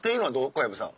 小籔さん。